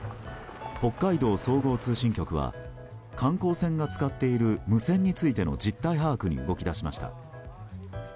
北海道総合通信局は観光船が使っている無線についての実態把握に動き出しました。